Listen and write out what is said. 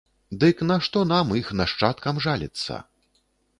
Дык на што нам, іх нашчадкам, жаліцца?